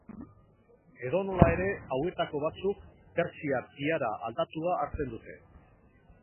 Edonola ere, hauetako batzuk, persiar tiara aldatua hartzen dute.